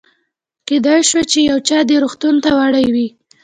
کېدای شوه چې یو چا دې روغتون ته وړی وي.